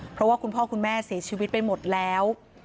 เพราะว่าคุณพ่อคุณแม่เสียชีวิตไปหมดแล้ว